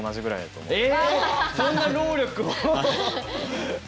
そんな労力を？